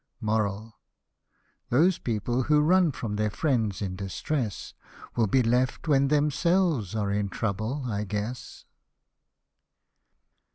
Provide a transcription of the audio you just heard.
Those people who run from their friends in distress, Will be left when themselves are in trouble, I guess.